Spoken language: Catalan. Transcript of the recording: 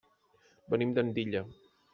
Venim d'Andilla.